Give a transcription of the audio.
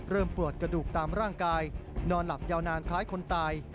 ปวดกระดูกตามร่างกายนอนหลับยาวนานคล้ายคนตาย